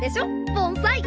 盆栽。